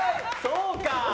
そうか。